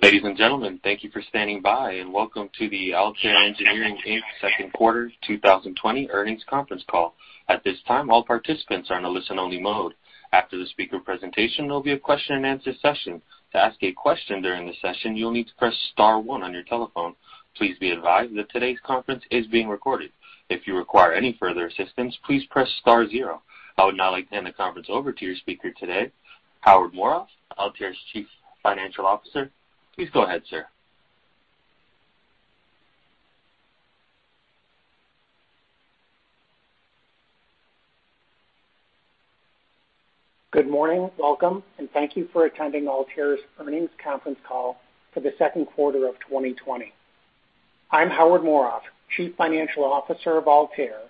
Ladies and gentlemen, thank you for standing by, and welcome to the Altair Engineering Inc. second quarter 2020 earnings conference call. At this time, all participants are in a listen-only mode. After the speaker presentation, there will be a question-and-answer session. To ask a question during the session, you will need to press star one on your telephone. Please be advised that today's conference is being recorded. If you require any further assistance, please press star zero. I would now like to hand the conference over to your speaker today, Howard Morof, Altair's chief financial officer. Please go ahead, sir. Good morning, welcome, and thank you for attending Altair's earnings conference call for the second quarter of 2020. I'm Howard Morof, Chief Financial Officer of Altair,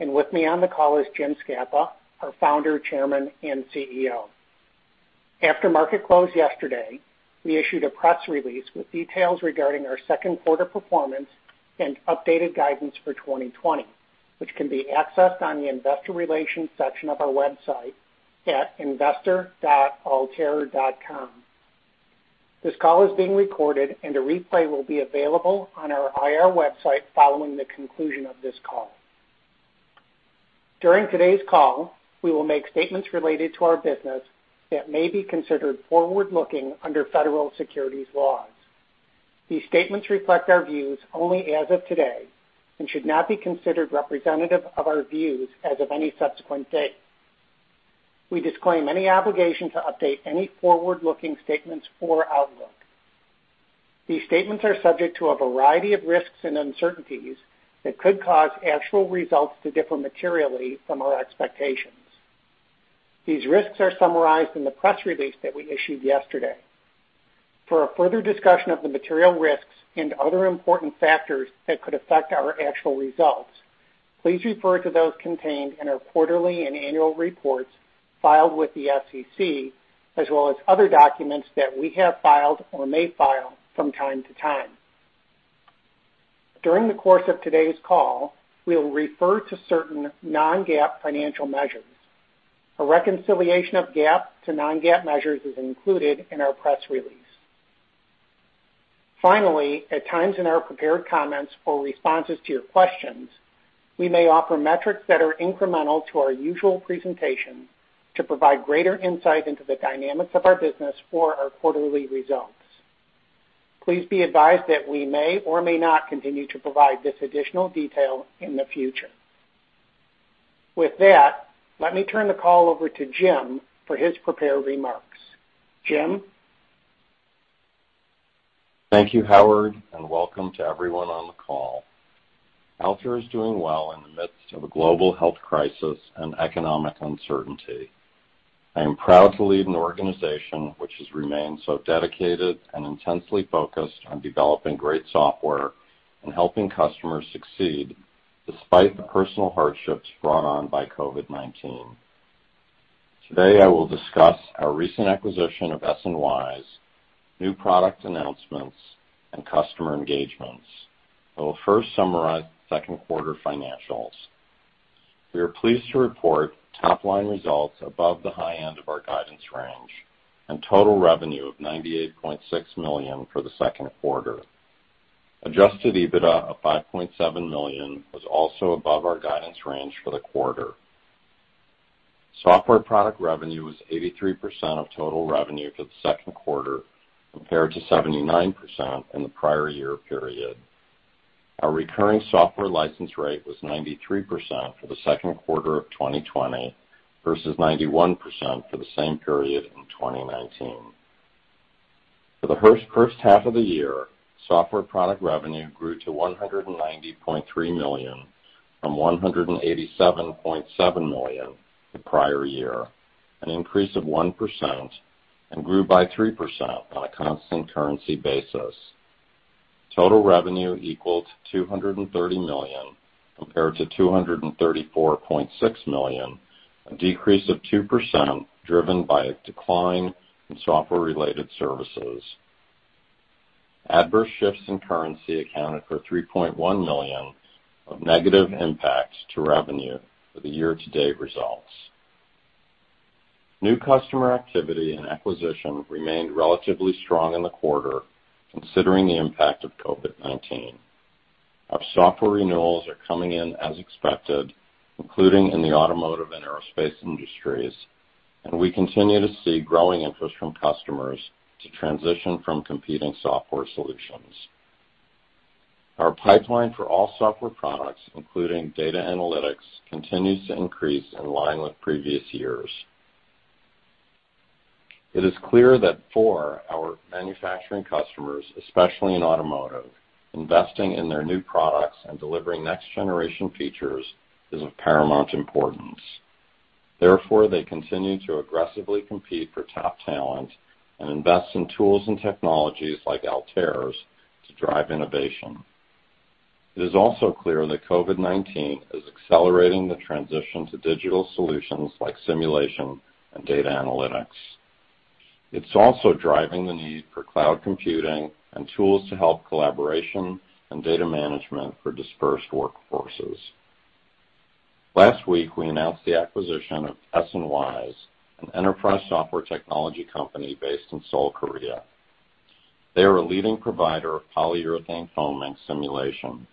and with me on the call is James Scapa, our Founder, Chairman, and CEO. After market close yesterday, we issued a press release with details regarding our second quarter performance and updated guidance for 2020, which can be accessed on the investor relations section of our website at investor.altair.com. This call is being recorded, and a replay will be available on our IR website following the conclusion of this call. During today's call, we will make statements related to our business that may be considered forward-looking under federal securities laws. These statements reflect our views only as of today and should not be considered representative of our views as of any subsequent date. We disclaim any obligation to update any forward-looking statements or outlook. These statements are subject to a variety of risks and uncertainties that could cause actual results to differ materially from our expectations. These risks are summarized in the press release that we issued yesterday. For a further discussion of the material risks and other important factors that could affect our actual results, please refer to those contained in our quarterly and annual reports filed with the SEC, as well as other documents that we have filed or may file from time to time. During the course of today's call, we will refer to certain non-GAAP financial measures. A reconciliation of GAAP to non-GAAP measures is included in our press release. Finally, at times in our prepared comments or responses to your questions, we may offer metrics that are incremental to our usual presentation to provide greater insight into the dynamics of our business for our quarterly results. Please be advised that we may or may not continue to provide this additional detail in the future. With that, let me turn the call over to James for his prepared remarks. Jim? Thank you, Howard, and welcome to everyone on the call. Altair is doing well in the midst of a global health crisis and economic uncertainty. I am proud to lead an organization which has remained so dedicated and intensely focused on developing great software and helping customers succeed despite the personal hardships brought on by COVID-19. Today, I will discuss our recent acquisition of S&WISE's new product announcements and customer engagements. I will first summarize the second quarter financials. We are pleased to report top-line results above the high end of our guidance range and total revenue of $98.6 million for the second quarter. Adjusted EBITDA of $5.7 million was also above our guidance range for the quarter. Software product revenue was 83% of total revenue for the second quarter, compared to 79% in the prior year period. Our recurring software license rate was 93% for the second quarter of 2020 versus 91% for the same period in 2019. For the first half of the year, software product revenue grew to $190.3 million from $187.7 million the prior year, an increase of 1%, and grew by 3% on a constant currency basis. Total revenue equaled $230 million, compared to $234.6 million, a decrease of 2%, driven by a decline in software-related services. Adverse shifts in currency accounted for $3.1 million of negative impacts to revenue for the year-to-date results. New customer activity and acquisition remained relatively strong in the quarter, considering the impact of COVID-19. Our software renewals are coming in as expected, including in the automotive and aerospace industries, and we continue to see growing interest from customers to transition from competing software solutions. Our pipeline for all software products, including data analytics, continues to increase in line with previous years. It is clear that for our manufacturing customers, especially in automotive, investing in their new products and delivering next-generation features is of paramount importance. Therefore, they continue to aggressively compete for top talent and invest in tools and technologies like Altair's to drive innovation. It is also clear that COVID-19 is accelerating the transition to digital solutions like simulation and data analytics. It's also driving the need for cloud computing and tools to help collaboration and data management for dispersed workforces. Last week, we announced the acquisition of S&WISE, an enterprise software technology company based in Seoul, Korea. They are a leading provider of polyurethane foaming simulation.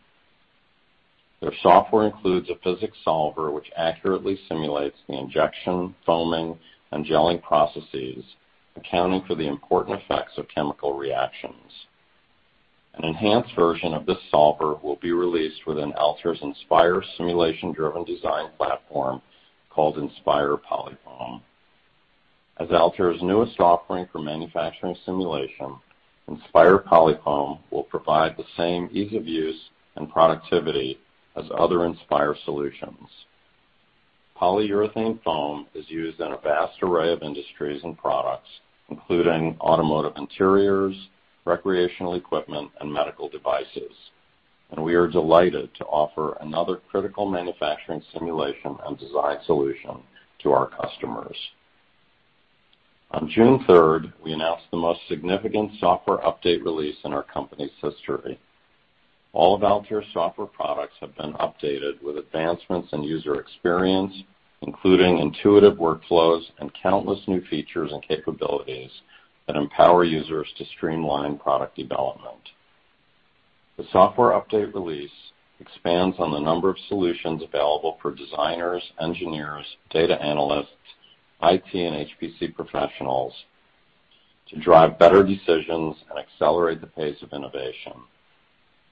Their software includes a physics solver which accurately simulates the injection, foaming, and gelling processes, accounting for the important effects of chemical reactions. An enhanced version of this solver will be released within Altair Inspire simulation-driven design platform called Inspire PolyFoam. As Altair's newest offering for manufacturing simulation, Inspire PolyFoam will provide the same ease of use and productivity as other Inspire solutions. Polyurethane foam is used in a vast array of industries and products, including automotive interiors, recreational equipment, and medical devices, and we are delighted to offer another critical manufacturing simulation and design solution to our customers. On June 3rd, we announced the most significant software update release in our company's history. All of Altair's software products have been updated with advancements in user experience, including intuitive workflows and countless new features and capabilities that empower users to streamline product development. The software update release expands on the number of solutions available for designers, engineers, data analysts, IT, and HPC professionals to drive better decisions and accelerate the pace of innovation.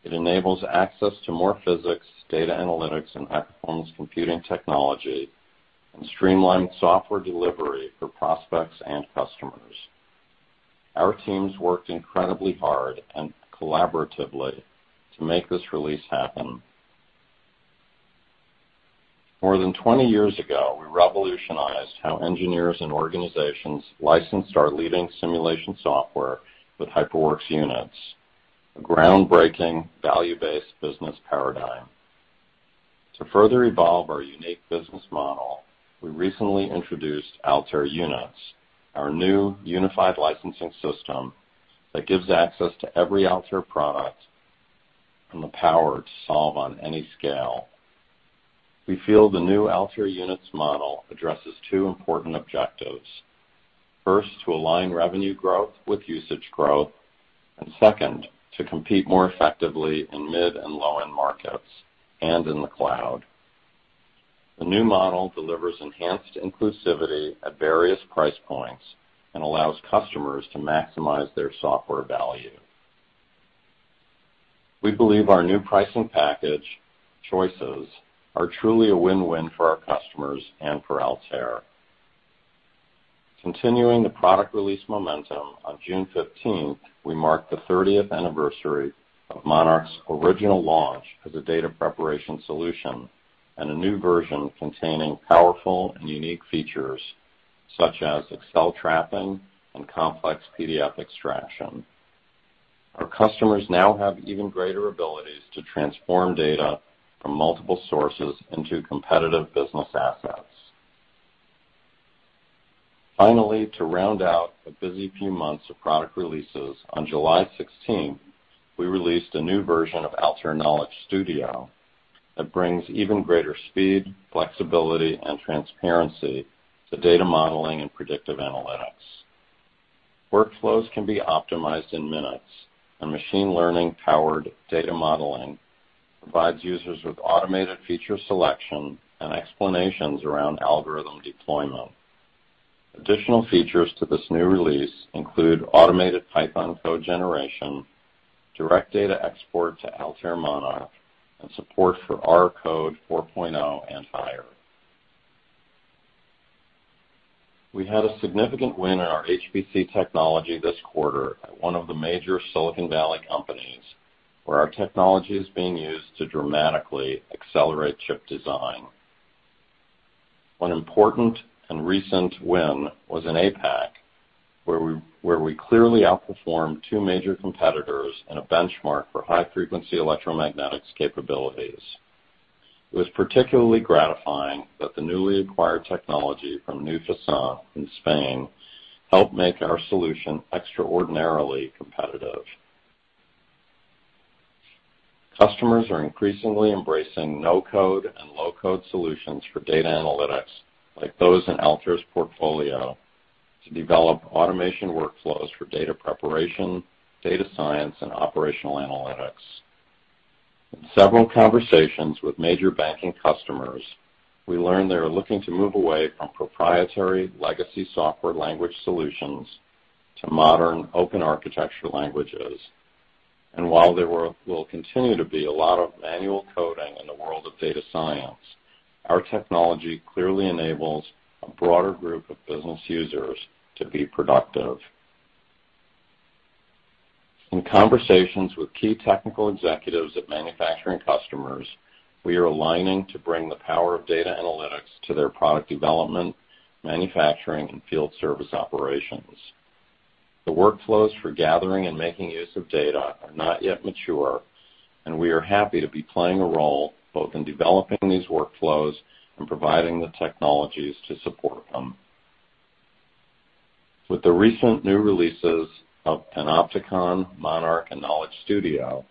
It enables access to more physics, data analytics, and high-performance computing technology and streamlines software delivery for prospects and customers. Our teams worked incredibly hard and collaboratively to make this release happen. More than 20 years ago, we revolutionized how engineers and organizations licensed our leading simulation software with HyperWorks Units, a groundbreaking value-based business paradigm. To further evolve our unique business model, we recently introduced Altair Units, our new unified licensing system that gives access to every Altair product and the power to solve on any scale. We feel the new Altair Units model addresses two important objectives. First, to align revenue growth with usage growth, and second, to compete more effectively in mid and low-end markets and in the cloud. The new model delivers enhanced inclusivity at various price points and allows customers to maximize their software value. We believe our new pricing package choices are truly a win-win for our customers and for Altair. Continuing the product release momentum, on June 15th, we marked the 30th anniversary of Monarch's original launch as a data preparation solution and a new version containing powerful and unique features such as Excel trapping and complex PDF extraction. Our customers now have even greater abilities to transform data from multiple sources into competitive business assets. Finally, to round out a busy few months of product releases, on July 16th, we released a new version of Altair Knowledge Studio that brings even greater speed, flexibility, and transparency to data modeling and predictive analytics. Workflows can be optimized in minutes, and machine learning-powered data modeling provides users with automated feature selection and explanations around algorithm deployment. Additional features to this new release include automated Python code generation, direct data export to Altair Monarch, and support for R code 4.0 and higher. We had a significant win in our HPC technology this quarter at one of the major Silicon Valley companies, where our technology is being used to dramatically accelerate chip design. One important and recent win was in APAC, where we clearly outperformed two major competitors in a benchmark for high-frequency electromagnetics capabilities. It was particularly gratifying that the newly acquired technology from newFASANT in Spain helped make our solution extraordinarily competitive. Customers are increasingly embracing no-code and low-code solutions for data analytics, like those in Altair's portfolio, to develop automation workflows for data preparation, data science, and operational analytics. In several conversations with major banking customers, we learned they are looking to move away from proprietary legacy software language solutions to modern open-architecture languages. While there will continue to be a lot of manual coding in the world of data science, our technology clearly enables a broader group of business users to be productive. In conversations with key technical executives at manufacturing customers, we are aligning to bring the power of data analytics to their product development, manufacturing, and field service operations. The workflows for gathering and making use of data are not yet mature, and we are happy to be playing a role both in developing these workflows and providing the technologies to support them. With the recent new releases of Panopticon, Monarch, and Knowledge Studio,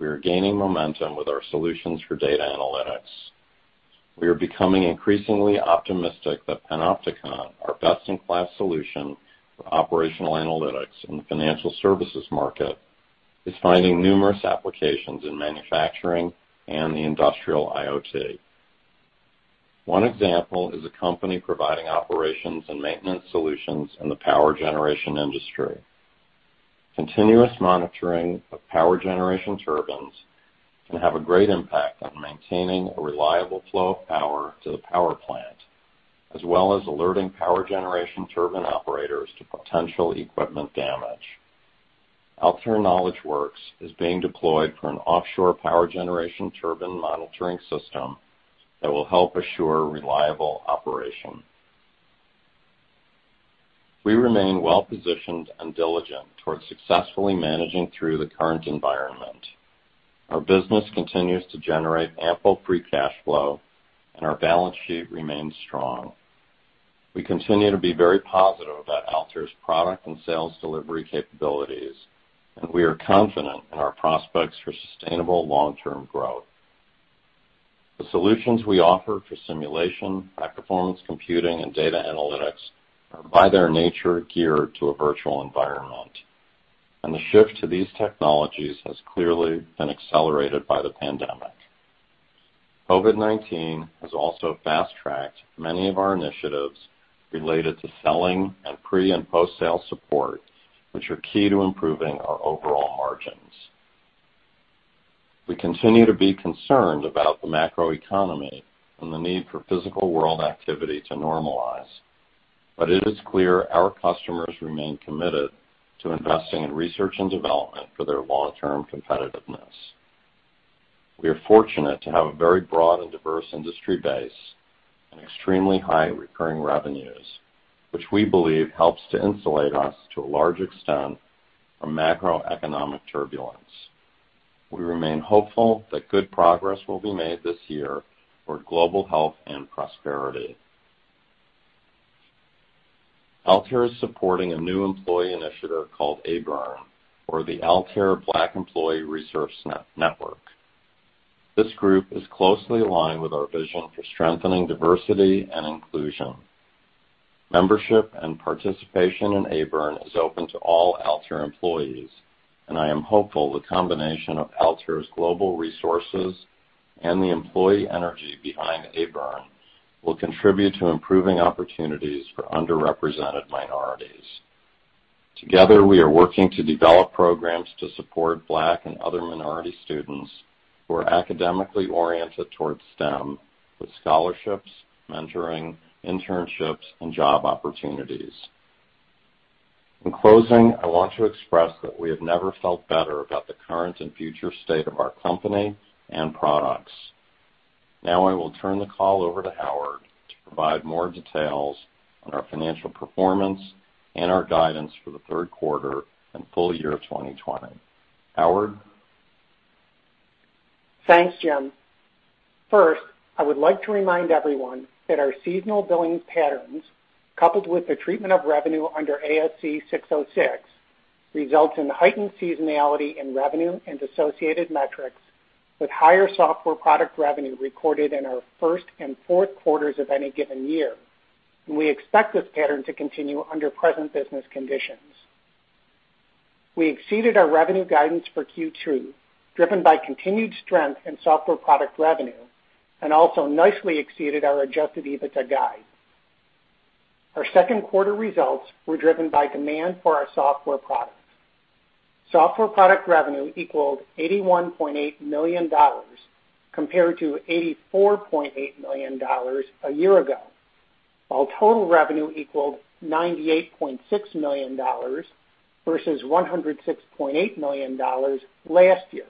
we are gaining momentum with our solutions for data analytics. We are becoming increasingly optimistic that Panopticon, our best-in-class solution for operational analytics in the financial services market, is finding numerous applications in manufacturing and the industrial IoT. One example is a company providing operations and maintenance solutions in the power generation industry. Continuous monitoring of power generation turbines can have a great impact on maintaining a reliable flow of power to the power plant, as well as alerting power generation turbine operators to potential equipment damage. Altair KnowledgeWorks is being deployed for an offshore power generation turbine monitoring system that will help assure reliable operation. We remain well-positioned and diligent towards successfully managing through the current environment. Our business continues to generate ample free cash flow, and our balance sheet remains strong. We continue to be very positive about Altair's product and sales delivery capabilities, and we are confident in our prospects for sustainable long-term growth. The solutions we offer for simulation, high-performance computing, and data analytics are by their nature geared to a virtual environment, and the shift to these technologies has clearly been accelerated by the pandemic. COVID-19 has also fast-tracked many of our initiatives related to selling and pre- and post-sale support, which are key to improving our overall margins. We continue to be concerned about the macroeconomy and the need for physical world activity to normalize, but it is clear our customers remain committed to investing in research and development for their long-term competitiveness. We are fortunate to have a very broad and diverse industry base and extremely high recurring revenues, which we believe helps to insulate us to a large extent from macroeconomic turbulence. We remain hopeful that good progress will be made this year for global health and prosperity. Altair is supporting a new employee initiative called ABERN, or the Altair Black Employee Resource Network. This group is closely aligned with our vision for strengthening diversity and inclusion. Membership and participation in ABERN is open to all Altair employees, and I am hopeful the combination of Altair's global resources and the employee energy behind ABERN will contribute to improving opportunities for underrepresented minorities. Together, we are working to develop programs to support Black and other minority students who are academically oriented towards STEM with scholarships, mentoring, internships, and job opportunities. In closing, I want to express that we have never felt better about the current and future state of our company and products. I will turn the call over to Howard to provide more details on our financial performance and our guidance for the third quarter and full year 2020. Howard? Thanks, James. I would like to remind everyone that our seasonal billing patterns, coupled with the treatment of revenue under ASC 606, results in heightened seasonality in revenue and associated metrics, with higher software product revenue recorded in our first and fourth quarters of any given year. We expect this pattern to continue under present business conditions. We exceeded our revenue guidance for Q2, driven by continued strength in software product revenue, and also nicely exceeded our adjusted EBITDA guide. Our second quarter results were driven by demand for our software products. Software product revenue equaled $81.8 million compared to $84.8 million a year ago. Total revenue equaled $98.6 million versus $106.8 million last year,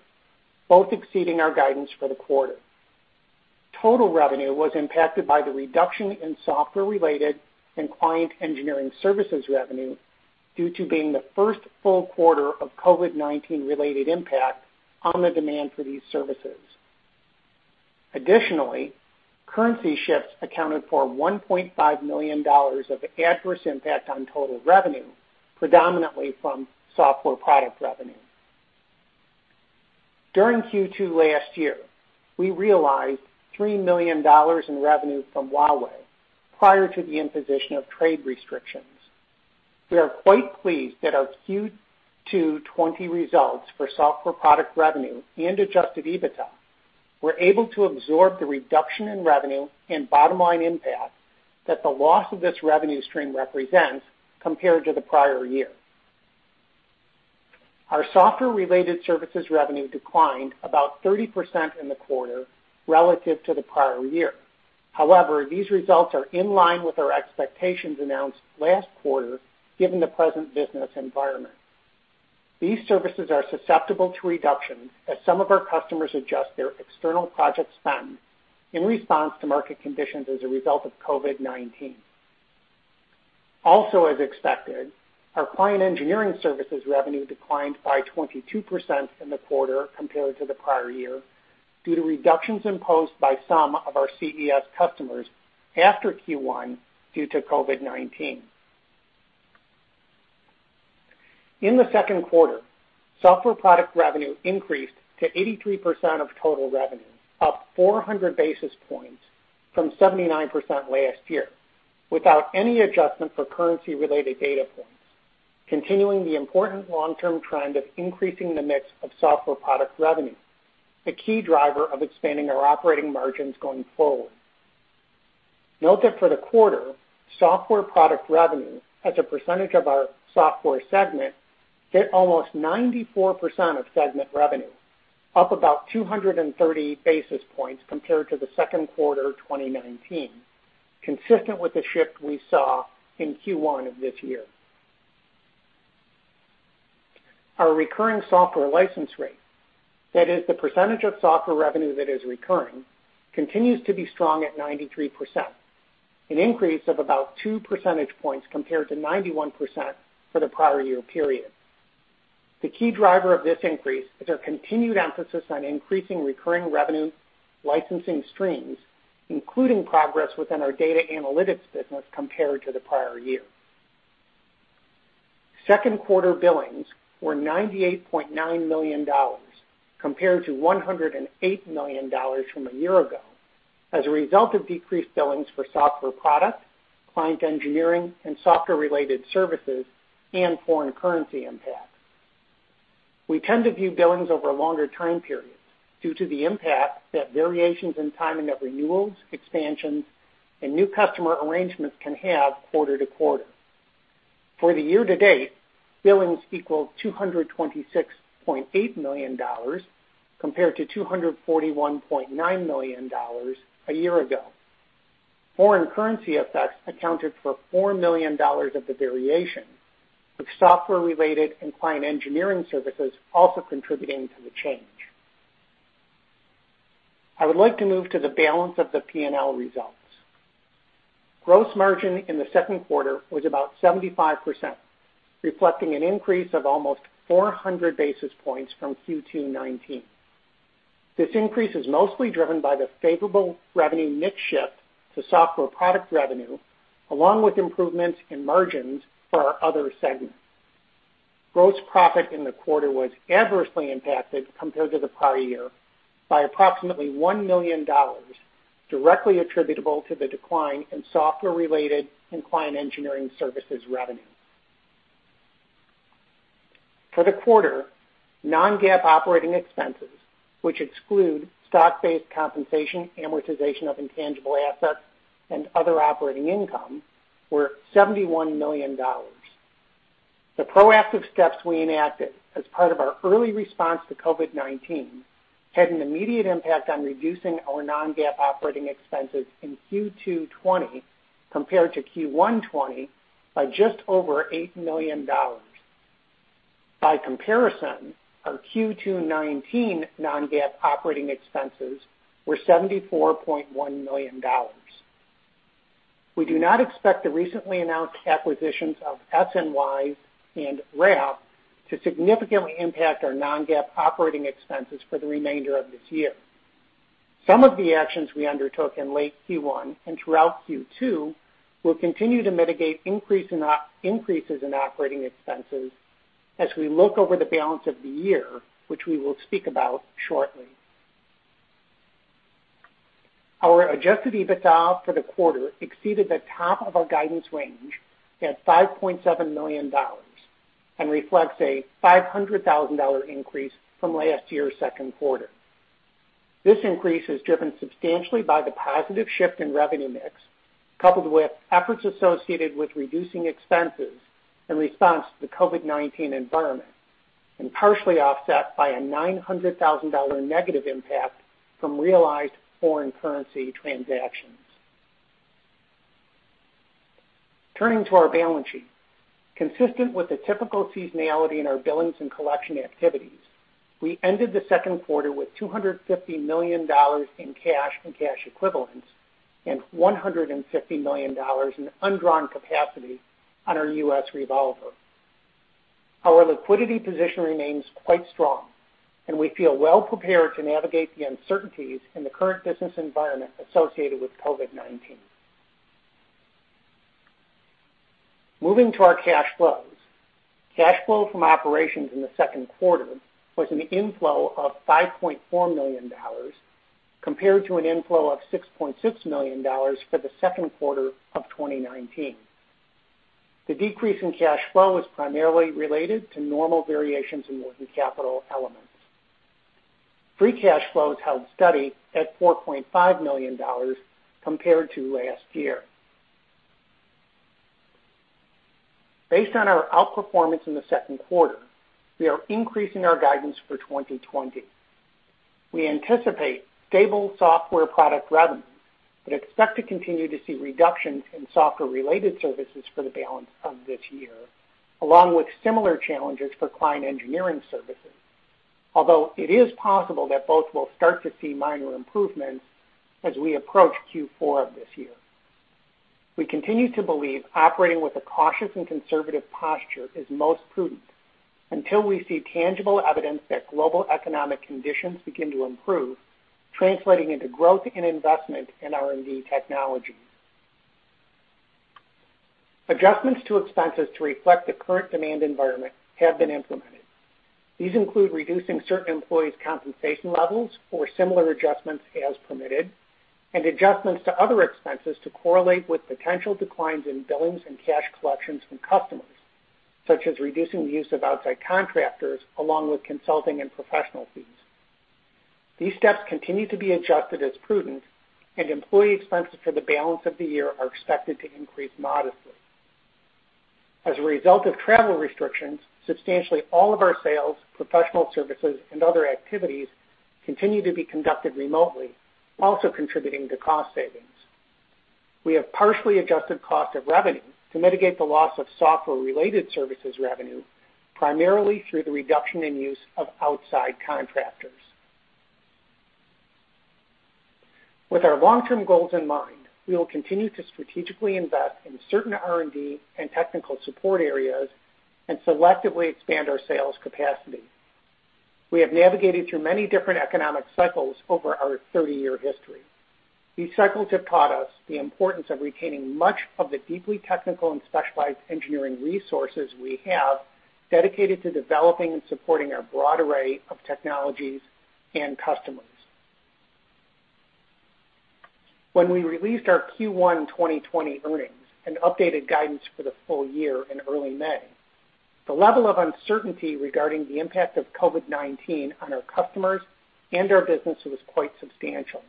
both exceeding our guidance for the quarter. Total revenue was impacted by the reduction in software-related and client engineering services revenue due to being the first full quarter of COVID-19-related impact on the demand for these services. Additionally, currency shifts accounted for $1.5 million of adverse impact on total revenue, predominantly from software product revenue. During Q2 last year, we realized $3 million in revenue from Huawei prior to the imposition of trade restrictions. We are quite pleased that our Q2 2020 results for software product revenue and adjusted EBITDA were able to absorb the reduction in revenue and bottom-line impact that the loss of this revenue stream represents compared to the prior year. Our software-related services revenue declined about 30% in the quarter relative to the prior year. However, these results are in line with our expectations announced last quarter, given the present business environment. These services are susceptible to reduction as some of our customers adjust their external project spend in response to market conditions as a result of COVID-19. As expected, our client engineering services revenue declined by 22% in the quarter compared to the prior year. Due to reductions imposed by some of our CES customers after Q1 due to COVID-19. In the second quarter, software product revenue increased to 83% of total revenue, up 400 basis points from 79% last year, without any adjustment for currency-related data points, continuing the important long-term trend of increasing the mix of software product revenue, a key driver of expanding our operating margins going forward. Note that for the quarter, software product revenue as a percentage of our software segment, hit almost 94% of segment revenue, up about 230 basis points compared to the second quarter of 2019, consistent with the shift we saw in Q1 of this year. Our recurring software license rate, that is the percentage of software revenue that is recurring, continues to be strong at 93%, an increase of about two percentage points compared to 91% for the prior year period. The key driver of this increase is our continued emphasis on increasing recurring revenue licensing streams, including progress within our data analytics business compared to the prior year. Second quarter billings were $98.9 million compared to $108 million from a year ago as a result of decreased billings for software product, client engineering, and software-related services and foreign currency impacts. We tend to view billings over a longer time period due to the impact that variations in timing of renewals, expansions, and new customer arrangements can have quarter to quarter. For the year to date, billings equaled $226.8 million compared to $241.9 million a year ago. Foreign currency effects accounted for $4 million of the variation, with software-related and client engineering services also contributing to the change. I would like to move to the balance of the P&L results. Gross margin in the second quarter was about 75%, reflecting an increase of almost 400 basis points from Q2 2019. This increase is mostly driven by the favorable revenue mix shift to software product revenue, along with improvements in margins for our other segments. Gross profit in the quarter was adversely impacted compared to the prior year, by approximately $1 million, directly attributable to the decline in software-related and client engineering services revenue. For the quarter, non-GAAP operating expenses, which exclude stock-based compensation, amortization of intangible assets, and other operating income, were $71 million. The proactive steps we enacted as part of our early response to COVID-19 had an immediate impact on reducing our non-GAAP operating expenses in Q2 '20 compared to Q1 '20 by just over $8 million. By comparison, our Q2 '19 non-GAAP operating expenses were $74.1 million. We do not expect the recently announced acquisitions of SNY and WRAP to significantly impact our non-GAAP operating expenses for the remainder of this year. Some of the actions we undertook in late Q1 and throughout Q2 will continue to mitigate increases in operating expenses as we look over the balance of the year, which we will speak about shortly. Our adjusted EBITDA for the quarter exceeded the top of our guidance range at $5.7 million and reflects a $500,000 increase from last year's second quarter. This increase is driven substantially by the positive shift in revenue mix, coupled with efforts associated with reducing expenses in response to the COVID-19 environment, and partially offset by a $900,000 negative impact from realized foreign currency transactions. Turning to our balance sheet. Consistent with the typical seasonality in our billings and collection activities, we ended the second quarter with $250 million in cash and cash equivalents and $150 million in undrawn capacity on our U.S. revolver. Our liquidity position remains quite strong, and we feel well prepared to navigate the uncertainties in the current business environment associated with COVID-19. Moving to our cash flows. Cash flow from operations in the second quarter was an inflow of $5.4 million compared to an inflow of $6.6 million for the second quarter of 2019. The decrease in cash flow was primarily related to normal variations in working capital elements. Free cash flows held steady at $4.5 million compared to last year. Based on our outperformance in the second quarter, we are increasing our guidance for 2020. We anticipate stable software product revenue, but expect to continue to see reductions in software-related services for the balance of this year, along with similar challenges for client engineering services. Although it is possible that both will start to see minor improvements as we approach Q4 of this year. We continue to believe operating with a cautious and conservative posture is most prudent until we see tangible evidence that global economic conditions begin to improve, translating into growth in investment in R&D technology. Adjustments to expenses to reflect the current demand environment have been implemented. These include reducing certain employees' compensation levels or similar adjustments as permitted, and adjustments to other expenses to correlate with potential declines in billings and cash collections from customers, such as reducing the use of outside contractors along with consulting and professional fees. These steps continue to be adjusted as prudent, and employee expenses for the balance of the year are expected to increase modestly. As a result of travel restrictions, substantially all of our sales, professional services, and other activities continue to be conducted remotely, also contributing to cost savings. We have partially adjusted cost of revenue to mitigate the loss of software-related services revenue, primarily through the reduction in use of outside contractors. With our long-term goals in mind, we will continue to strategically invest in certain R&D and technical support areas and selectively expand our sales capacity. We have navigated through many different economic cycles over our 30-year history. These cycles have taught us the importance of retaining much of the deeply technical and specialized engineering resources we have dedicated to developing and supporting our broad array of technologies and customers. When we released our Q1 2020 earnings and updated guidance for the full year in early May, the level of uncertainty regarding the impact of COVID-19 on our customers and our business was quite substantial.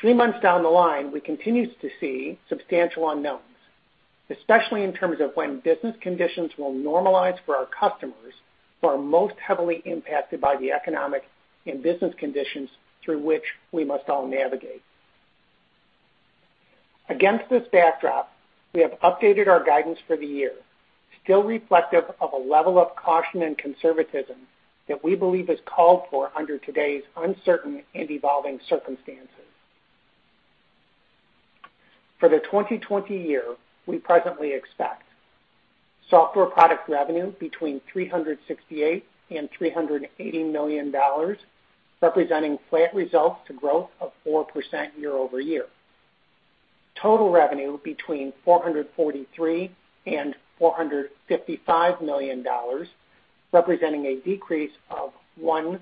Three months down the line, we continue to see substantial unknowns, especially in terms of when business conditions will normalize for our customers who are most heavily impacted by the economic and business conditions through which we must all navigate. Against this backdrop, we have updated our guidance for the year, still reflective of a level of caution and conservatism that we believe is called for under today's uncertain and evolving circumstances. For the 2020 year, we presently expect software product revenue between $368 million and $380 million, representing flat results to growth of 4% year-over-year. Total revenue between $443 million and $455 million, representing a decrease of 1%-3%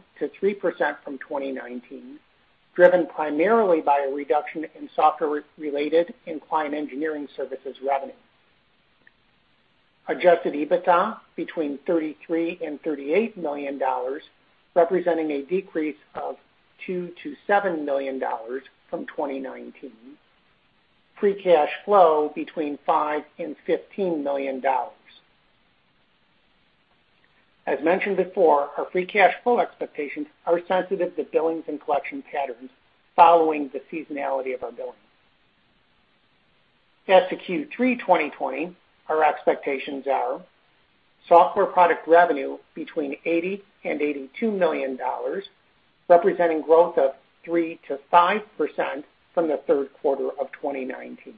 from 2019, driven primarily by a reduction in software-related and client engineering services revenue. Adjusted EBITDA between $33 million and $38 million, representing a decrease of $2 million to $7 million from 2019. Free cash flow between $5 million and $15 million. As mentioned before, our free cash flow expectations are sensitive to billings and collection patterns following the seasonality of our billings. As to Q3 2020, our expectations are software product revenue between $80 million and $82 million, representing growth of 3%-5% from the third quarter of 2019.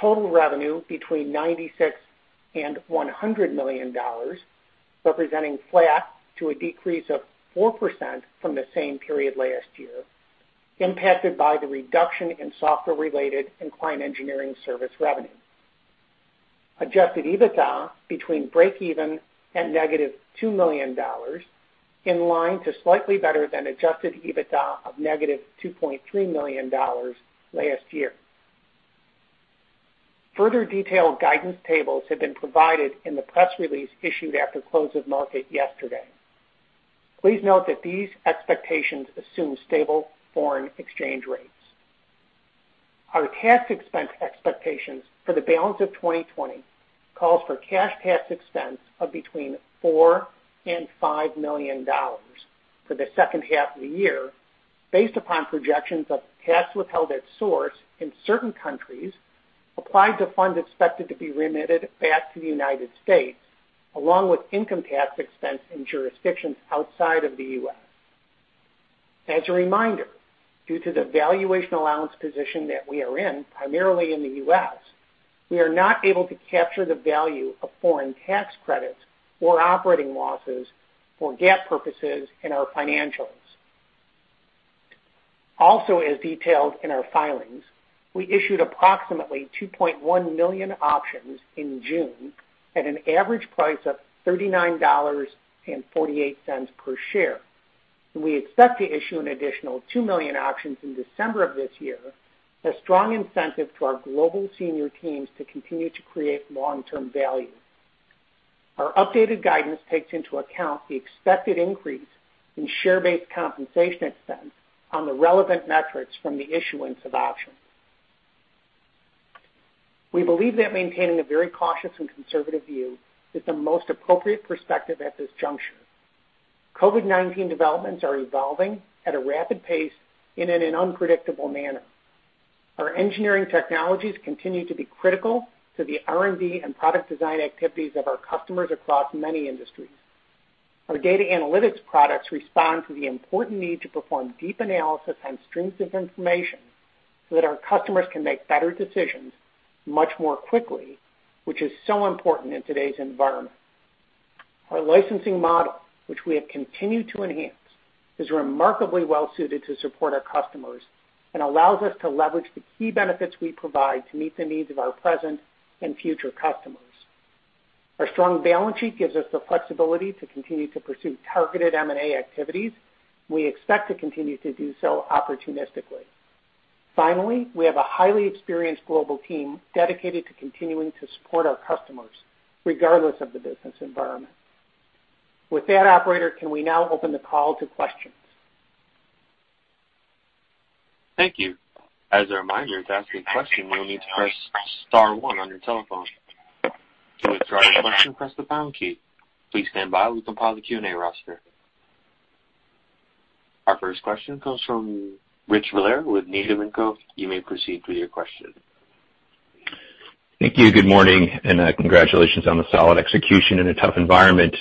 Total revenue between $96 million and $100 million, representing flat to a decrease of 4% from the same period last year, impacted by the reduction in software-related and client engineering service revenue. Adjusted EBITDA between breakeven and negative $2 million, in line to slightly better than adjusted EBITDA of negative $2.3 million last year. Further detailed guidance tables have been provided in the press release issued after close of market yesterday. Please note that these expectations assume stable foreign exchange rates. Our tax expense expectations for the balance of 2020 calls for cash tax expense of between $4 million and $5 million for the second half of the year, based upon projections of tax withheld at source in certain countries, applied to funds expected to be remitted back to the United States, along with income tax expense in jurisdictions outside of the U.S. As a reminder, due to the valuation allowance position that we are in, primarily in the U.S., we are not able to capture the value of foreign tax credits or operating losses for GAAP purposes in our financials. Also, as detailed in our filings, we issued approximately 2.1 million options in June at an average price of $39.48 per share. We expect to issue an additional 2 million options in December of this year, a strong incentive to our global senior teams to continue to create long-term value. Our updated guidance takes into account the expected increase in share-based compensation expense on the relevant metrics from the issuance of options. We believe that maintaining a very cautious and conservative view is the most appropriate perspective at this juncture. COVID-19 developments are evolving at a rapid pace and in an unpredictable manner. Our engineering technologies continue to be critical to the R&D and product design activities of our customers across many industries. Our data analytics products respond to the important need to perform deep analysis on streams of information so that our customers can make better decisions much more quickly, which is so important in today's environment. Our licensing model, which we have continued to enhance, is remarkably well-suited to support our customers and allows us to leverage the key benefits we provide to meet the needs of our present and future customers. Our strong balance sheet gives us the flexibility to continue to pursue targeted M&A activities. We expect to continue to do so opportunistically. Finally, we have a highly experienced global team dedicated to continuing to support our customers regardless of the business environment. With that, operator, can we now open the call to questions? Thank you. As a reminder, to ask a question, you will need to press star one on your telephone. To withdraw your question, press the pound key. Please stand by. We compile the Q&A roster. Our first question comes from Richard Valera with Needham & Company. You may proceed with your question. Thank you. Good morning. Congratulations on the solid execution in a tough environment.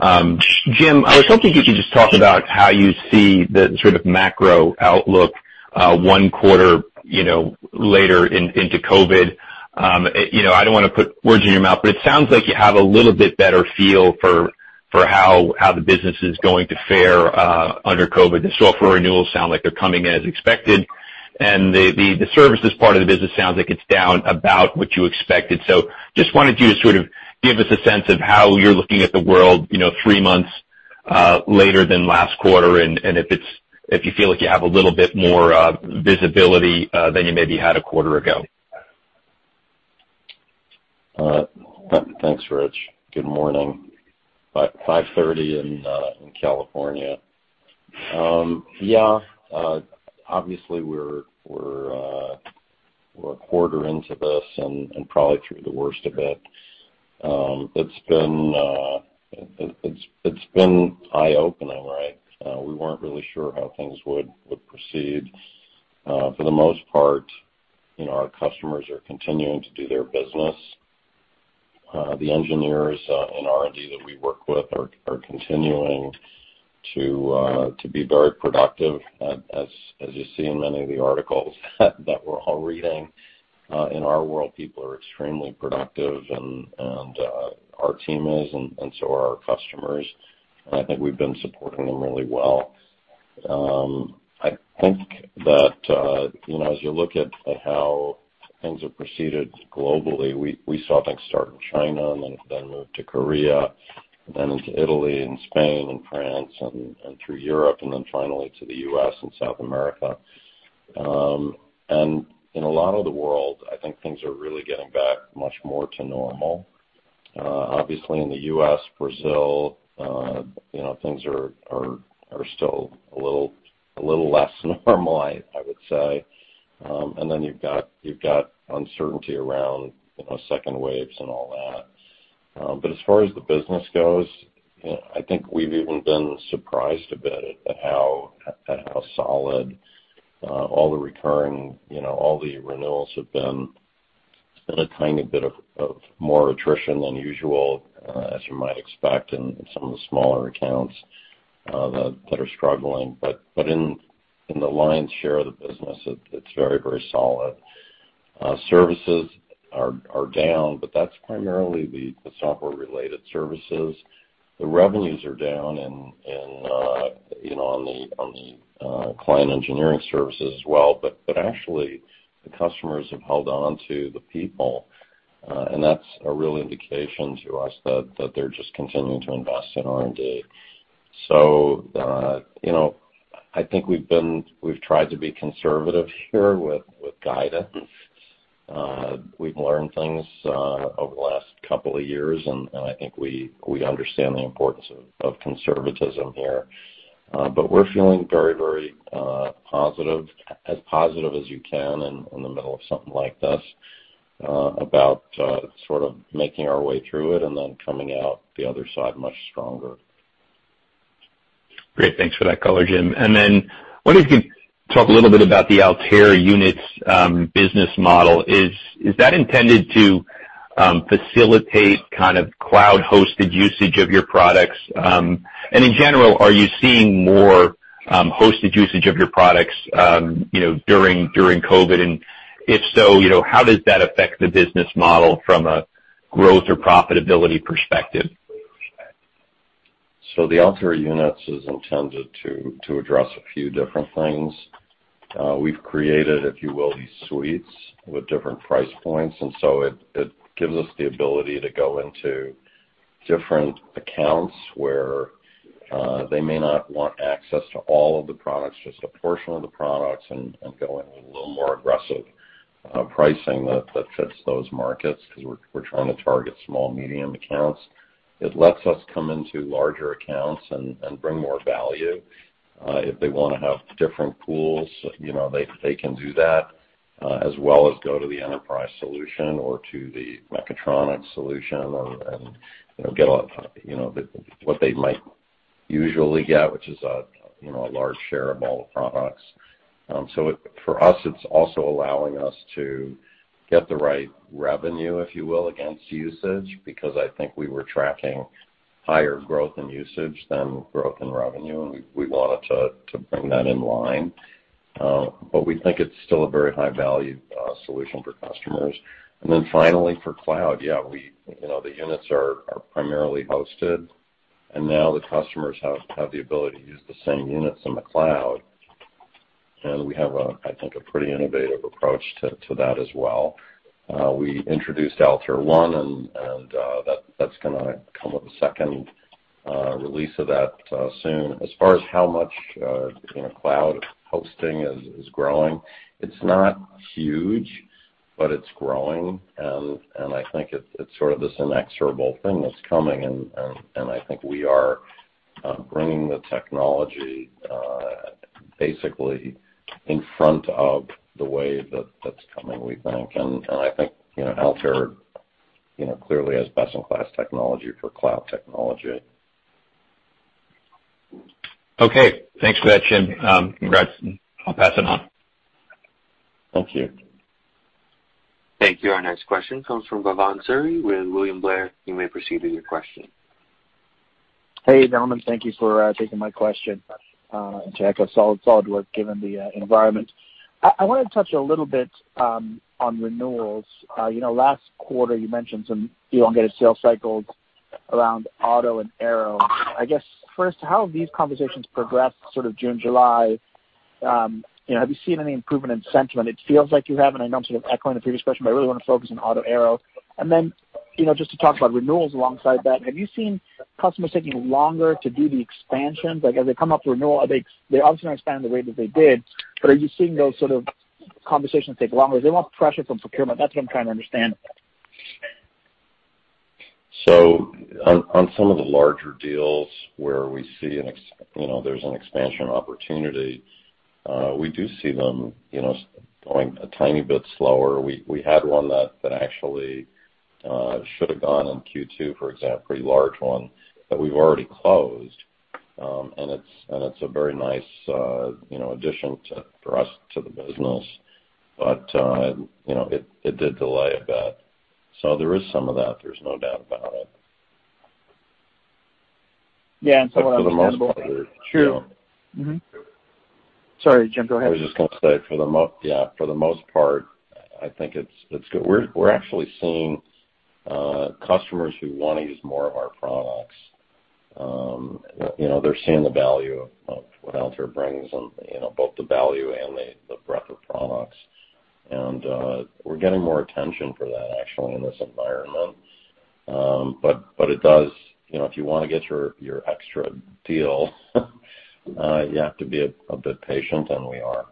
James, I was hoping if you could just talk about how you see the sort of macro outlook one quarter later into COVID. I don't want to put words in your mouth, but it sounds like you have a little bit better feel for how the business is going to fare under COVID. The software renewals sound like they're coming in as expected, and the services part of the business sounds like it's down about what you expected. Just wanted you to sort of give us a sense of how you're looking at the world three months later than last quarter, and if you feel like you have a little bit more visibility than you maybe had a quarter ago. Thanks, Rich. Good morning. 5:30 A.M. in California. Yeah, obviously, we're a quarter into this and probably through the worst of it. It's been eye-opening, right? We weren't really sure how things would proceed. For the most part, our customers are continuing to do their business. The engineers in R&D that we work with are continuing to be very productive, as you see in many of the articles that we're all reading. In our world, people are extremely productive, and our team is, and so are our customers. I think we've been supporting them really well. I think that as you look at how things have proceeded globally, we saw things start in China, and then it then moved to Korea, then into Italy and Spain and France and through Europe, and then finally to the U.S. and South America. In a lot of the world, I think things are really getting back much more to normal. Obviously, in the U.S., Brazil, things are still a little less normal, I would say. Then you've got uncertainty around second waves and all that. As far as the business goes, I think we've even been surprised a bit at how solid all the recurring, all the renewals have been. There's been a tiny bit of more attrition than usual, as you might expect in some of the smaller accounts that are struggling. In the lion's share of the business, it's very, very solid. Services are down, but that's primarily the software-related services. The revenues are down on the client engineering services as well. Actually, the customers have held on to the people, and that's a real indication to us that they're just continuing to invest in R&D. I think we've tried to be conservative here with guidance. We've learned things over the last couple of years, and I think we understand the importance of conservatism here. We're feeling very, very positive, as positive as you can in the middle of something like this, about sort of making our way through it and then coming out the other side much stronger. Great. Thanks for that color, James. Wonder if you could talk a little bit about the Altair Units business model. Is that intended to facilitate kind of cloud-hosted usage of your products? In general, are you seeing more hosted usage of your products during COVID? If so, how does that affect the business model from a growth or profitability perspective? The Altair Units is intended to address a few different things. We've created, if you will, these suites with different price points, and so it gives us the ability to go into different accounts where they may not want access to all of the products, just a portion of the products, and go in with a little more aggressive pricing that fits those markets because we're trying to target small, medium accounts. It lets us come into larger accounts and bring more value. If they want to have different pools, they can do that, as well as go to the enterprise solution or to the mechatronics solution and get what they might usually get, which is a large share of all products. For us, it's also allowing us to get the right revenue, if you will, against usage, because I think we were tracking higher growth in usage than growth in revenue, and we wanted to bring that in line. We think it's still a very high-value solution for customers. Then finally, for cloud, the units are primarily hosted, and now the customers have the ability to use the same units in the cloud. We have, I think, a pretty innovative approach to that as well. We introduced Altair One, and that's going to come with the second release of that soon. As far as how much cloud hosting is growing, it's not huge, but it's growing, and I think it's sort of this inexorable thing that's coming, and I think we are bringing the technology basically in front of the wave that's coming, we think. I think Altair clearly has best-in-class technology for cloud technology. Okay. Thanks for that, James. Congrats. I'll pass it on. Thank you. Thank you. Our next question comes from Bhavan Suri with William Blair. You may proceed with your question. Hey, gentlemen. Thank you for taking my question. To echo, solid work given the environment. I wanted to touch a little bit on renewals. Last quarter you mentioned some elongated sales cycles around auto and aero. I guess, first, how have these conversations progressed sort of June, July? Have you seen any improvement in sentiment? It feels like you have, and I know I'm sort of echoing the previous question, but I really want to focus on auto and aero. Then just to talk about renewals alongside that, have you seen customers taking longer to do the expansions? As they come up to renewal, they obviously don't expand the way that they did, but are you seeing those sort of conversations take longer? Is there a lot of pressure from procurement? That's what I'm trying to understand. On some of the larger deals where we see there's an expansion opportunity, we do see them going a tiny bit slower. We had one that actually should have gone in Q2, for example, a pretty large one that we've already closed. It's a very nice addition for us to the business. It did delay a bit. There is some of that, there's no doubt about it. Yeah. That's what I was asking about. But for the most part- True. Mm-hmm. Sorry, James, go ahead. I was just going to say, for the most part, I think it's good. We're actually seeing customers who want to use more of our products. They're seeing the value of what Altair brings and both the value and the breadth of products. We're getting more attention for that actually in this environment. If you want to get your extra deal you have to be a bit patient, and we are.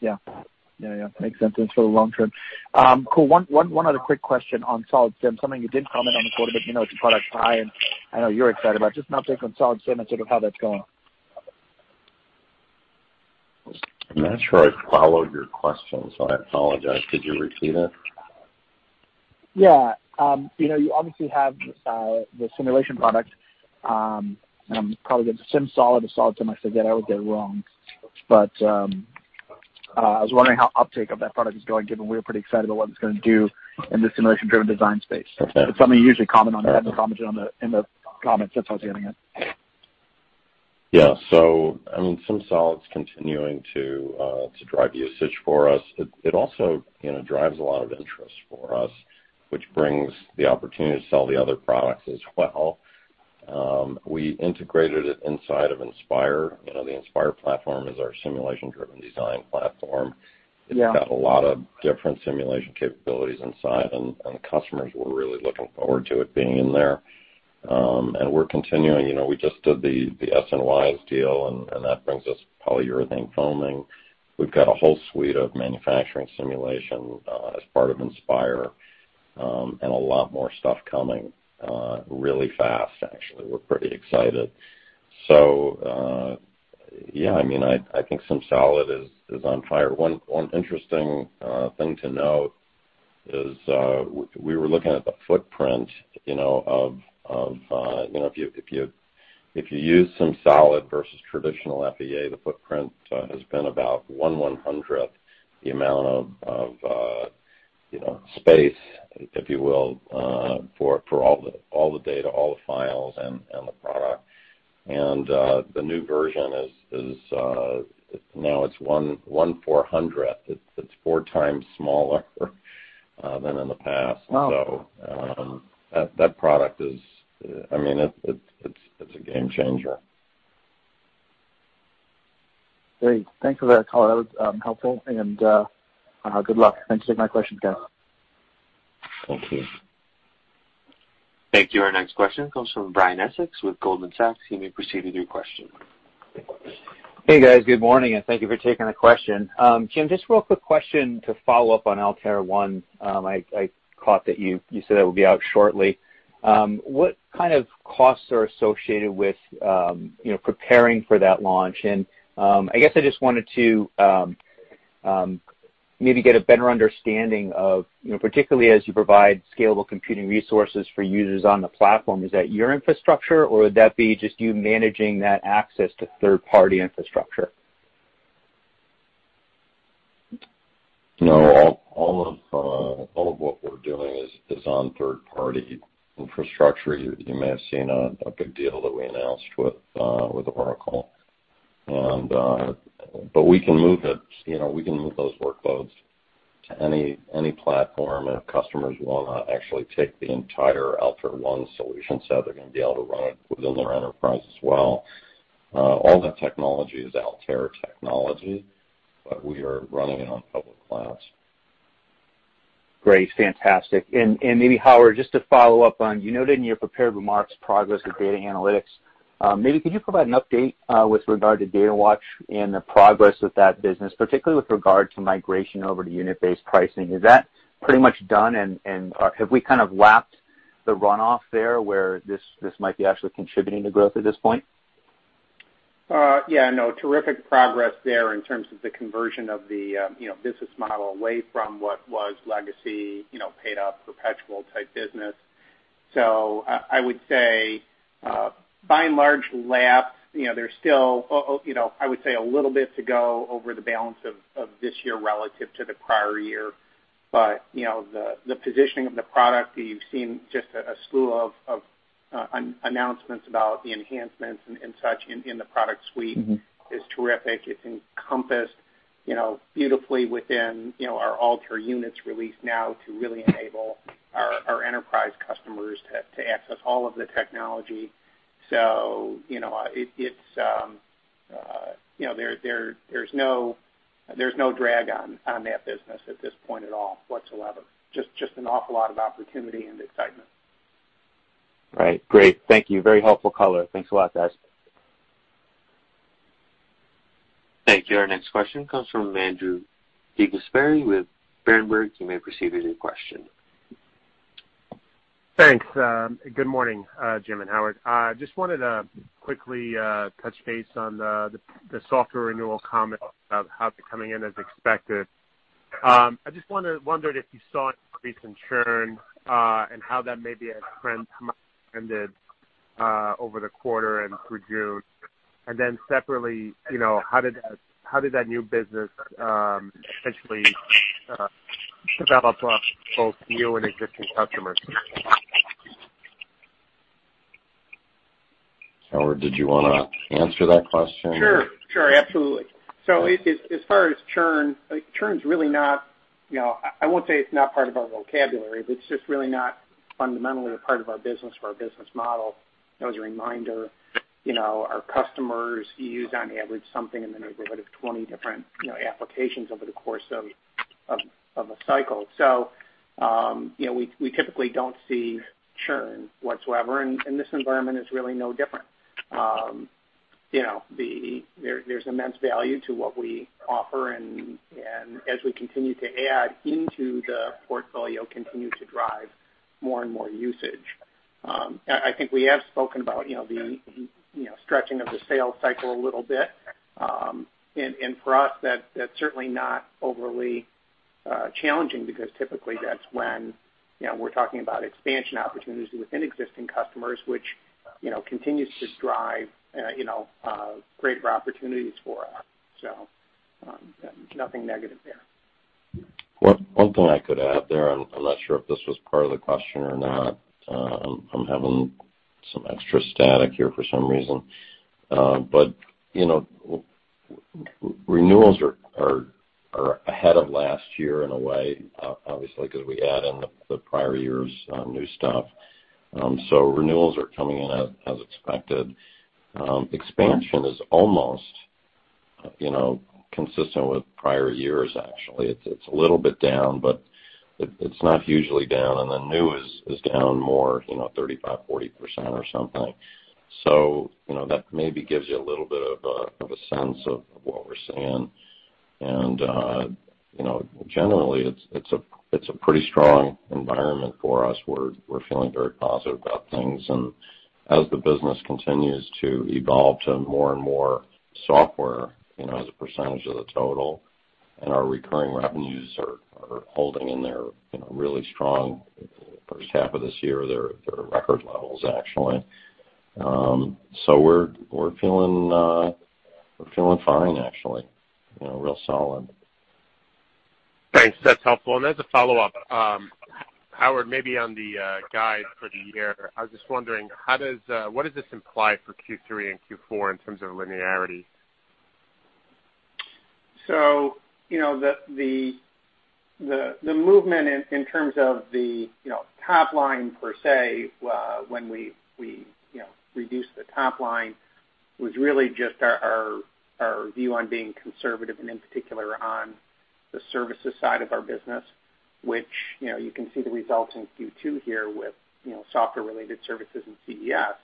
Yeah. Makes sense. It's for the long term. Cool. One other quick question on SimSolid, something you did comment on the quarter, but it's a product I know you're excited about. Just an update on SimSolid and sort of how that's going. I'm not sure I followed your question, so I apologize. Could you repeat it? Yeah. You obviously have the simulation product, I'm probably going to SimSolid or SimSolid. I figured I would get it wrong. I was wondering how uptake of that product is going, given we're pretty excited about what it's going to do in the simulation-driven design space. Okay. It's something you usually comment on, in the comments. That's why I was getting it. Yeah. SimSolid's continuing to drive usage for us. It also drives a lot of interest for us, which brings the opportunity to sell the other products as well. We integrated it inside of Inspire. The Inspire platform is our simulation-driven design platform. Yeah. It's got a lot of different simulation capabilities inside, and the customers were really looking forward to it being in there. We're continuing. We just did the S&WISE deal, and that brings us polyurethane foaming. We've got a whole suite of manufacturing simulation as part of Inspire, and a lot more stuff coming really fast, actually. We're pretty excited. Yeah, I think SimSolid is on fire. One interesting thing to note is we were looking at the footprint of if you use SimSolid versus traditional FEA, the footprint has been about one one-hundredth the amount of space, if you will, for all the data, all the files, and the product. The new version is now it's one four-hundredth. It's four times smaller than in the past. Wow. That product is a game changer. Great. Thanks for that color. That was helpful, and good luck. Thanks for taking my questions, guys. Thank you. Thank you. Our next question comes from Brian Essex with Goldman Sachs. You may proceed with your question. Hey, guys. Good morning. Thank you for taking the question. James, just real quick question to follow up on Altair One. I caught that you said that would be out shortly. What kind of costs are associated with preparing for that launch? I guess I just wanted to maybe get a better understanding of, particularly as you provide scalable computing resources for users on the platform, is that your infrastructure, or would that be just you managing that access to third-party infrastructure? No, all of what we're doing is on third-party infrastructure. You may have seen a big deal that we announced with Oracle. We can move those workloads to any platform, and if customers want to actually take the entire Altair One solution set, they're going to be able to run it within their enterprise as well. All that technology is Altair technology, but we are running it on public clouds. Great. Fantastic. Maybe, Howard, just to follow up on, you noted in your prepared remarks progress with data analytics. Maybe could you provide an update with regard to Datawatch and the progress with that business, particularly with regard to migration over to unit-based pricing? Is that pretty much done and have we kind of lapped the runoff there, where this might be actually contributing to growth at this point? Yeah, no, terrific progress there in terms of the conversion of the business model away from what was legacy, paid up perpetual type business. I would say, by and large lap, there's still, I would say, a little bit to go over the balance of this year relative to the prior year. The positioning of the product that you've seen just a slew of announcements about the enhancements and such in the product suite is terrific. It's encompassed beautifully within our Altair Units release now to really enable our enterprise customers to access all of the technology. There's no drag on that business at this point at all whatsoever. Just an awful lot of opportunity and excitement. Right. Great. Thank you. Very helpful color. Thanks a lot, guys. Thank you. Our next question comes fom Andrew DeGasperi with Berenberg. You may proceed with your question. Thanks. Good morning, Jame and Howard. Just wanted to quickly touch base on the software renewal comment about how it's coming in as expected. I just wondered if you saw any recent churn, and how that maybe trended over the quarter and through June. Separately, how did that new business essentially develop both new and existing customers? Howard, did you want to answer that question? Sure, absolutely. As far as churn, I won't say it's not part of our vocabulary, but it's just really not fundamentally a part of our business or our business model. As a reminder, our customers use on average something in the neighborhood of 20 different applications over the course of a cycle. We typically don't see churn whatsoever, and this environment is really no different. There's immense value to what we offer, and as we continue to add into the portfolio, continue to drive more and more usage. I think we have spoken about the stretching of the sales cycle a little bit. For us, that's certainly not overly challenging because typically that's when we're talking about expansion opportunities within existing customers, which continues to drive greater opportunities for us. Nothing negative there. One thing I could add there, I'm not sure if this was part of the question or not. I'm having some extra static here for some reason. Renewals are ahead of last year in a way, obviously, because we add in the prior year's new stuff. Renewals are coming in as expected. Expansion is almost consistent with prior years, actually. It's a little bit down, but it's not hugely down. New is down more, 35%-40% or something. That maybe gives you a little bit of a sense of what we're seeing. Generally, it's a pretty strong environment for us. We're feeling very positive about things. As the business continues to evolve to more and more software as a percentage of the total, and our recurring revenues are holding in there really strong. First half of this year, they're at record levels, actually. We're feeling fine, actually. Real solid. Thanks. That's helpful. As a follow-up, Howard, maybe on the guide for the year, I was just wondering, what does this imply for Q3 and Q4 in terms of linearity? The movement in terms of the top line per se, when we reduce the top line, was really just our view on being conservative, and in particular on the services side of our business, which you can see the results in Q2 here with software related services and CES.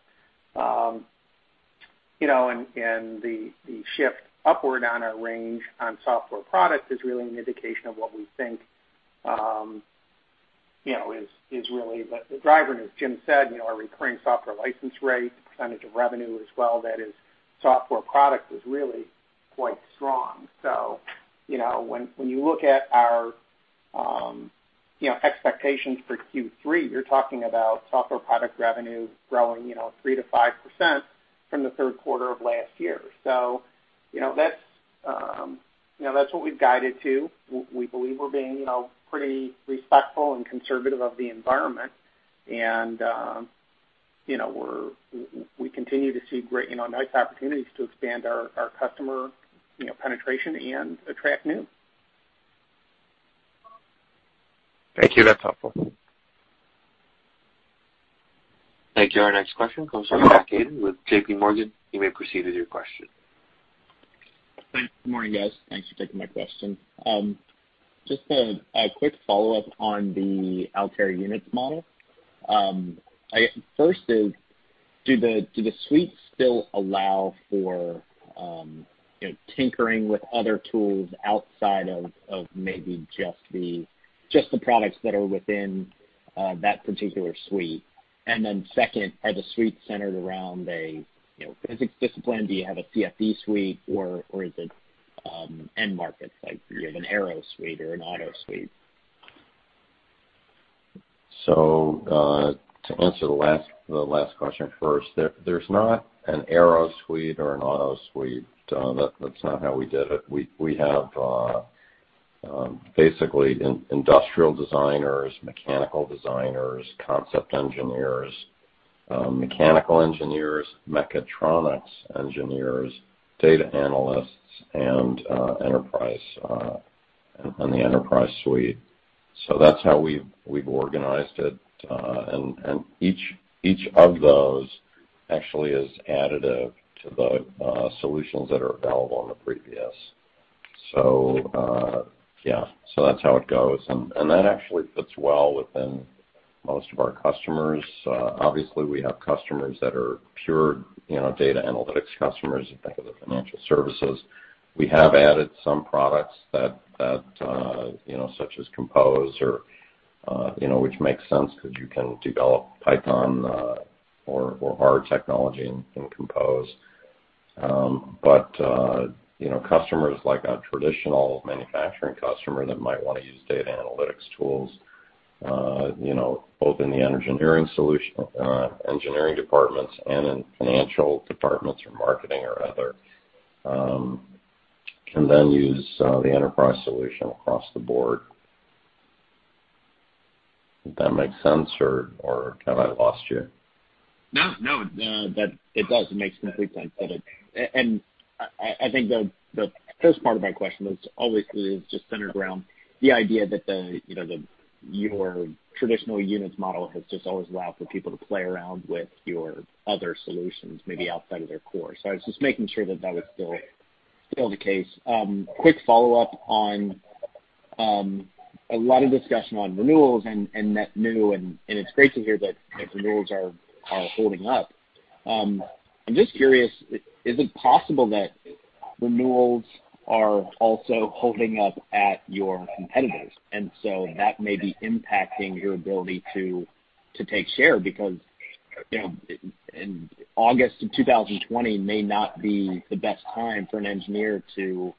The shift upward on our range on software product is really an indication of what we think. Is really the driver. As Jim said, our recurring software license rate percentage of revenue as well, that is software product, is really quite strong. When you look at our expectations for Q3, you're talking about software product revenue growing 3% to 5% from the third quarter of last year. That's what we've guided to. We believe we're being pretty respectful and conservative of the environment. We continue to see nice opportunities to expand our customer penetration and attract new. Thank you. That's helpful. Thank you. Our next question comes from Aidan with JP Morgan. You may proceed with your question. Thanks. Good morning, guys. Thanks for taking my question. Just a quick follow-up on the Altair Units model. I guess first is, do the suites still allow for tinkering with other tools outside of maybe just the products that are within that particular suite? Second, are the suites centered around a physics discipline? Do you have a CFD suite or is it end markets, like do you have an aero suite or an auto suite? To answer the last question first, there's not an aero suite or an auto suite. That's not how we did it. We have basically industrial designers, mechanical designers, concept engineers, mechanical engineers, mechatronics engineers, data analysts, and the enterprise suite. That's how we've organized it. Each of those actually is additive to the solutions that are available in the previous. Yeah. That's how it goes, and that actually fits well within most of our customers. Obviously, we have customers that are pure data analytics customers. You think of the financial services. We have added some products such as Compose, which makes sense because you can develop Python or R technology in Compose. Customers like a traditional manufacturing customer that might want to use data analytics tools both in the engineering departments and in financial departments or marketing or other, can then use the enterprise solution across the board. Did that make sense, or have I lost you? No, it does. It makes complete sense. I think the first part of my question was always just centered around the idea that your traditional units model has just always allowed for people to play around with your other solutions, maybe outside of their core. I was just making sure that was still the case. Quick follow-up on a lot of discussion on renewals and net new, and it's great to hear that renewals are holding up. I'm just curious, is it possible that renewals are also holding up at your competitors, and so that may be impacting your ability to take share because in August of 2020 may not be the best time for an engineer to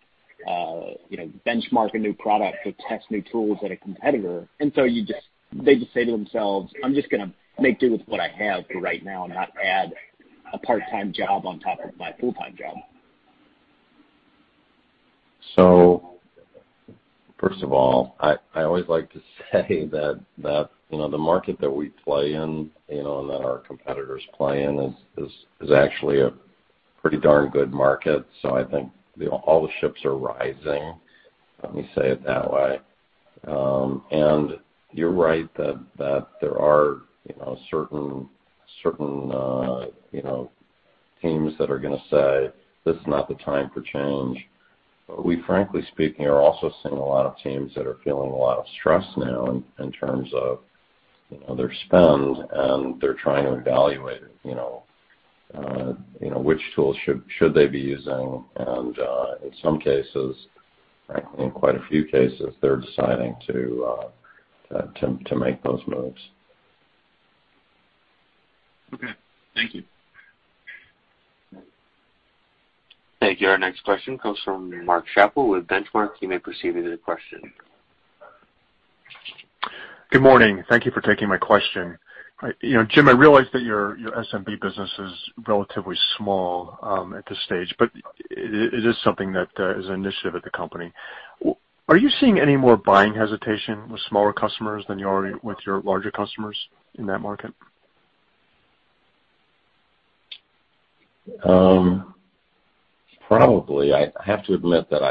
benchmark a new product to test new tools at a competitor. They just say to themselves, "I'm just going to make do with what I have for right now and not add a part-time job on top of my full-time job. First of all, I always like to say that the market that we play in and that our competitors play in is actually a pretty darn good market. I think all the ships are rising, let me say it that way. You're right that there are certain teams that are going to say, "This is not the time for change." We frankly speaking, are also seeing a lot of teams that are feeling a lot of stress now in terms of their spend, and they're trying to evaluate which tools should they be using. In quite a few cases, they're deciding to make those moves. Okay. Thank you. Thank you. Our next question comes from Mark Schappel with Benchmark. You may proceed with your question. Good morning. Thank you for taking my question. Jame, I realize that your SMB business is relatively small at this stage, but it is something that is an initiative at the company. Are you seeing any more buying hesitation with smaller customers than you are with your larger customers in that market? Probably. I have to admit that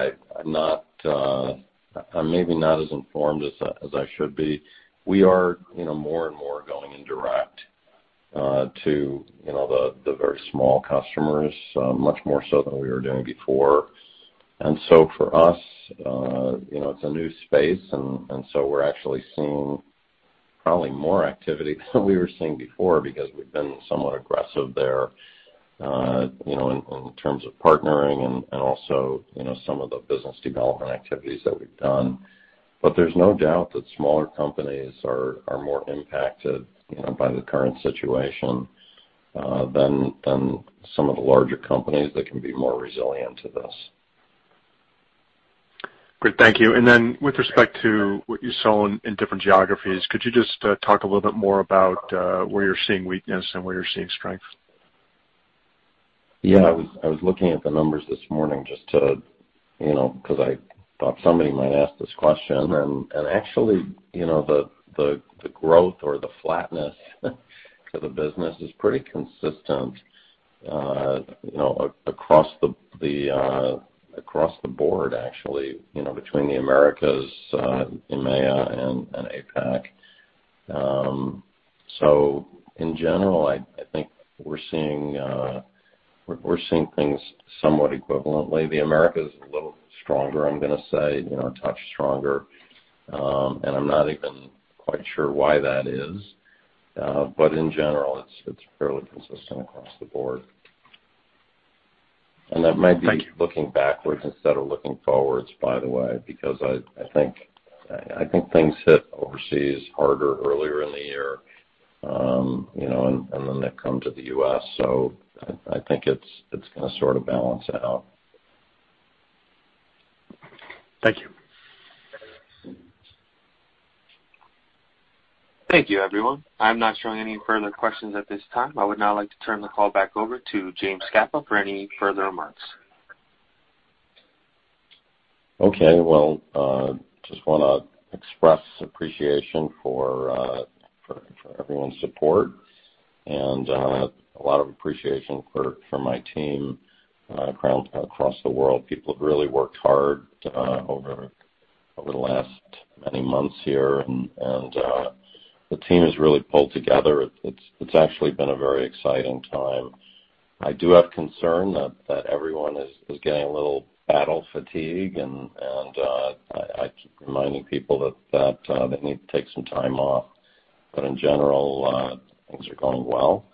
I'm maybe not as informed as I should be. We are more and more going indirect to the very small customers, much more so than we were doing before. For us, it's a new space, we're actually seeing probably more activity than we were seeing before because we've been somewhat aggressive there in terms of partnering and also some of the business development activities that we've done. There's no doubt that smaller companies are more impacted by the current situation than some of the larger companies that can be more resilient to this. Great, thank you. Then with respect to what you saw in different geographies, could you just talk a little bit more about where you're seeing weakness and where you're seeing strength? Yeah. I was looking at the numbers this morning just because I thought somebody might ask this question. Actually, the growth or the flatness of the business is pretty consistent across the board, actually, between the Americas, EMEA, and APAC. In general, I think we're seeing things somewhat equivalently. The Americas is a little stronger, I'm going to say, a touch stronger. I'm not even quite sure why that is. In general, it's fairly consistent across the board. That might be looking backwards instead of looking forwards, by the way, because I think things hit overseas harder earlier in the year, and then they've come to the U.S. I think it's going to sort of balance it out. Thank you. Thank you, everyone. I'm not showing any further questions at this time. I would now like to turn the call back over to James Scapa for any further remarks. Okay. Well, just want to express appreciation for everyone's support and a lot of appreciation for my team across the world. People have really worked hard over the last many months here, and the team has really pulled together. It's actually been a very exciting time. I do have concern that everyone is getting a little battle fatigue, and I keep reminding people that they need to take some time off. In general, things are going well,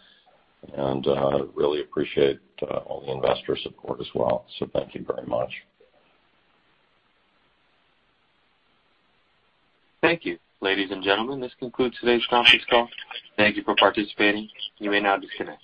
and really appreciate all the investor support as well. Thank you very much. Thank you. Ladies and gentlemen, this concludes today's conference call. Thank you for participating. You may now disconnect.